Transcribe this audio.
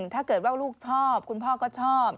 ถ้าเกิดว่าลูกชอบคุณพ่อก็ชอบ